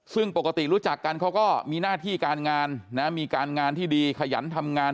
ซึ่งปกติรู้จักกันเขาก็มีหน้าที่การงานนะมีการงานที่ดีขยันทำงาน